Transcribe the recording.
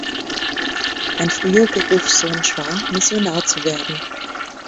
Ein früher Berufswunsch war, Missionar zu werden.